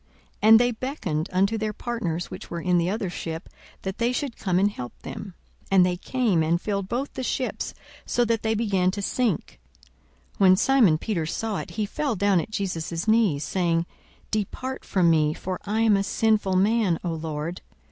42:005:007 And they beckoned unto their partners, which were in the other ship, that they should come and help them. And they came, and filled both the ships, so that they began to sink. 42:005:008 When Simon Peter saw it, he fell down at Jesus' knees, saying, Depart from me; for I am a sinful man, O Lord.